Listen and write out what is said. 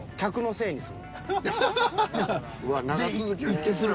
一致する。